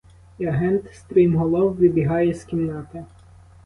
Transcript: І агент стрімголов вибігає з кімнати.